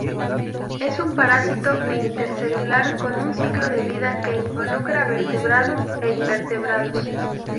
Es un parásito intracelular con un ciclo de vida que involucra vertebrados e invertebrados.